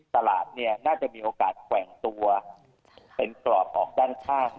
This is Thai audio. ตลาดเนี่ยน่าจะมีโอกาสแกว่งตัวเป็นกรอบออกด้านข้าง